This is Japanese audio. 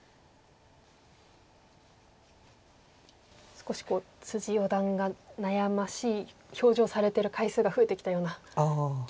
少し四段が悩ましい表情されてる回数が増えてきたような気がしますが。